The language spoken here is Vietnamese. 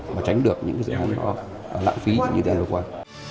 và tránh được những dự án lãng phí như thế này